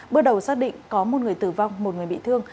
bước đầu xác định có một người tử vong một người bị thương